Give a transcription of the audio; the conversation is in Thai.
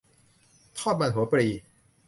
ทอดมันหัวปลี